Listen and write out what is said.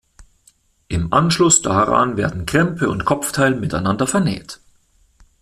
Im Anschluss daran werden Krempe und Kopfteil miteinander vernäht.